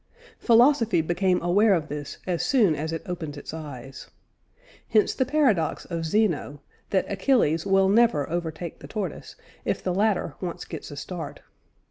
Philosophy became aware of this as soon as it opened its eyes. Hence the paradox of Zeno, that Achilles will never overtake the tortoise, if the latter once gets a start.